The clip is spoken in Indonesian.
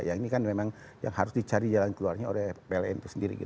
jadi itu memang yang harus dicari jalan keluarnya oleh pln itu sendiri